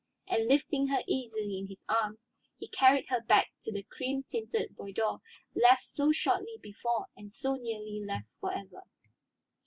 And lifting her easily in his arms, he carried her back to the cream tinted boudoir left so shortly before and so nearly left for ever.